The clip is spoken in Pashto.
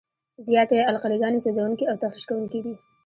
زیاتې القلي ګانې سوځونکي او تخریش کوونکي دي.